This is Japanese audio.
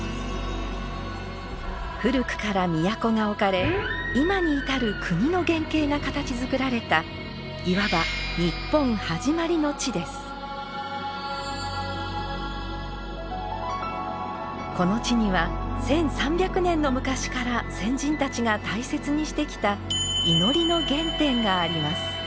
古くから都が置かれ今に至る国の原型が形づくられたいわばこの地には１，３００年の昔から先人たちが大切にしてきた祈りの原点があります。